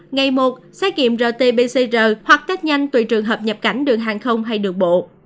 ngày một xét nghiệm rt pcr hoặc test nhanh tùy trường hợp nhập cảnh đường hàng không hay đường bộ